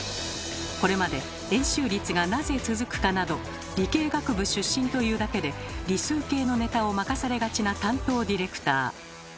これまで「円周率がなぜ続くか」など理系学部出身というだけで理数系のネタを任されがちな担当ディレクター。